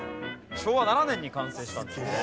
昭和７年に完成したんですね。